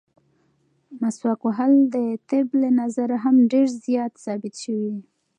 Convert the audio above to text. مسواک وهل د طبي نظره هم ډېر زیات ثابت شوي دي.